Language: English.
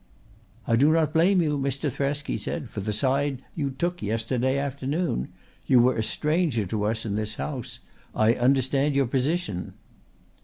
"I do not blame you, Mr. Thresk," he said, "for the side you took yesterday afternoon. You were a stranger to us in this house. I understand your position."